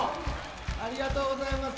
ありがとうございます。